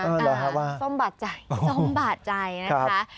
เออเหรอครับว่าส้มบาดใจส้มบาดใจนะคะครับ